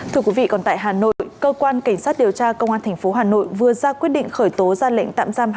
thưa quý vị còn tại hà nội cơ quan cảnh sát điều tra công an tp hà nội vừa ra quyết định khởi tố ra lệnh tạm giam